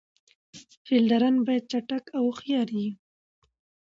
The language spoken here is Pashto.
فیلډران باید چټک او هوښیار يي.